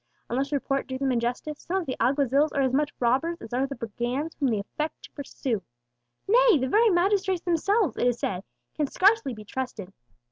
Unless report do them injustice, some of the alguazils are as much robbers as are the brigands whom they affect to pursue; nay, the very magistrates themselves, it is said, can scarcely be trusted.